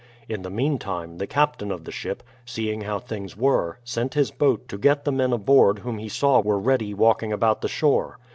In the meantime, the captain of the ship, seeing how things were, sent his boat to get the men aboard whom he saw were ready walking about the shore.